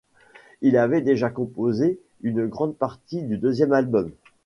Il avait déjà composé une grande partie du deuxième album.